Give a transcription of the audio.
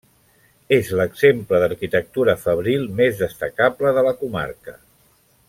És l'exemple d'arquitectura fabril més destacable de la comarca.